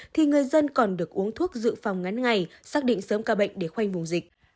thì người dân còn được uống thuốc dự phòng ngắn ngày xác định sớm ca bệnh để khoanh vùng dịch